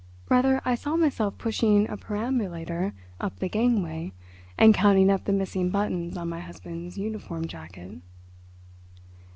Rather, I saw myself pushing a perambulator up the gangway, and counting up the missing buttons on my husband's uniform jacket.